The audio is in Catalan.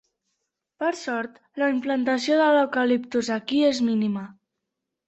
Per sort, la implantació de l'eucaliptus aquí és mínima.